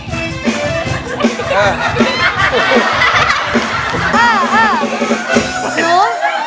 หนู